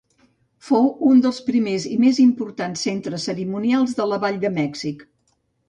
Fou un dels primers i més importants centres cerimonials de la Vall de Mèxic.